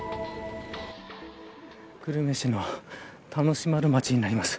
久留米市の田主丸町になります。